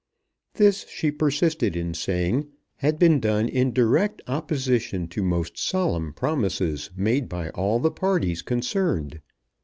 This, she persisted in saying, had been done in direct opposition to most solemn promises made by all the parties concerned.